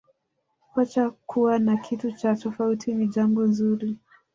kocha kuwa na kitu cha tofauti ni jambo zuri